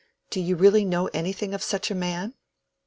Do you really know anything of such a man?"